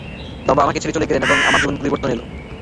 বাবা আমাকে ছেড়ে চলে গেলেন, এবং আবার আমার জীবন পরিবর্তন হলো।